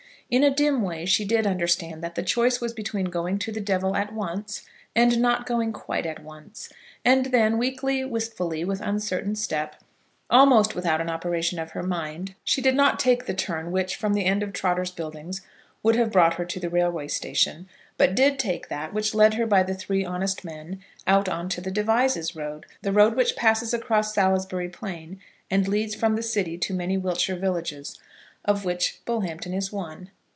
In a dim way she did understand that the choice was between going to the devil at once, and not going quite at once; and then, weakly, wistfully, with uncertain step, almost without an operation of her mind, she did not take the turn which, from the end of Trotter's Buildings, would have brought her to the Railway Station, but did take that which led her by the Three Honest Men out on to the Devizes road, the road which passes across Salisbury Plain, and leads from the city to many Wiltshire villages, of which Bullhampton is one.